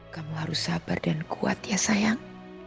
kamu harus sabar dan kuat ya sayang